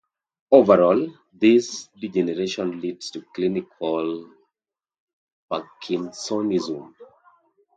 Overall, this degeneration leads to clinical parkinsonism.